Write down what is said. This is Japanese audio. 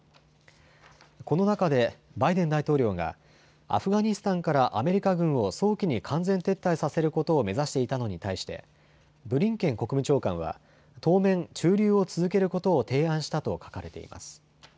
この中でバイデン大統領がアフガニスタンからアメリカ軍を早期に完全撤退させることを目指していたのに対してブリンケン国務長官は、当面、駐留を続けることを提案したと書かれています。